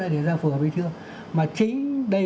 để ra phù hợp với thương mà chính đây